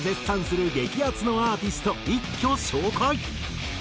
一挙紹介！